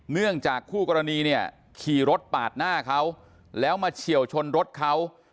เนื่องจากคู่กรณีเนี่ยขี่รถปาดหน้าเขาแล้วมาเฉียวชนรถเขา